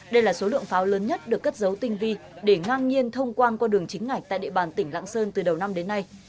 đây là số lượng pháo lớn nhất được cất dấu tinh vi để ngang nhiên thông quan qua đường chính ngạch tại địa bàn tỉnh lạng sơn từ đầu năm đến nay